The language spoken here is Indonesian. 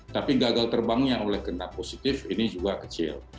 tapi gagal terbangnya oleh kena positif ini juga kecil